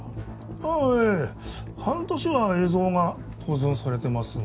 あぁええ半年は映像が保存されてますが。